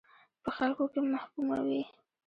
په خلکو کې محکوموي.